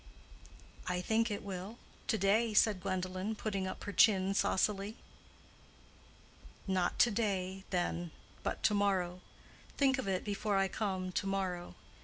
"I think it will, to day," said Gwendolen, putting up her chin saucily. "Not to day, then, but to morrow. Think of it before I come to morrow.